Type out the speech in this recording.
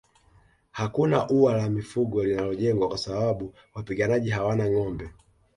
Hakuna ua la mifugo linalojengwa kwa sababu wapiganaji hawana ngombe